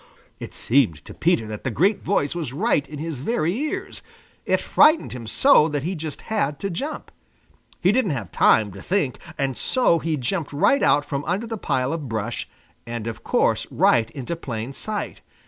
"Bow, wow, wow!" It seemed to Peter that the great voice was right in his very ears. It frightened him so that he just had to jump. He didn't have time to think. And so he jumped right out from under the pile of brush and of course right into plain sight.